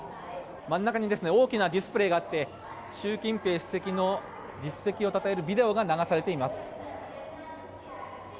真ん中に大きなディスプレーがあって習近平主席の実績をたたえるビデオが流されています。